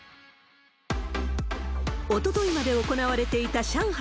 おとといまで行われていた上海